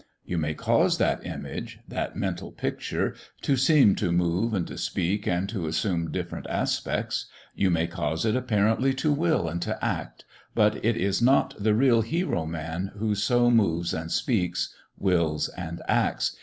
You may cause that image that mental picture to seem to move and to speak and to assume different aspects; you may cause it apparently to will and to act, but it is not the real hero man who so moves and speaks, wills and acts.